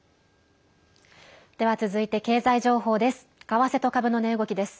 では、続いて経済情報です。